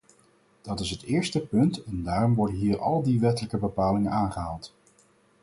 Dat is het eerste punt en daarom worden hier al die wettelijke bepalingen aangehaald.